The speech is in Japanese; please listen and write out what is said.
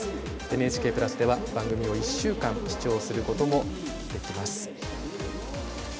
ＮＨＫプラスでは、番組を１週間視聴することもできます。